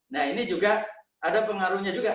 nah ini juga ada pengaruhnya juga